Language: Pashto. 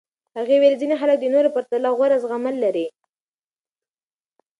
هغې وویل ځینې خلک د نورو پرتله غوره زغمل لري.